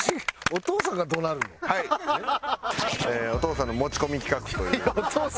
お父さんの持ち込み企画？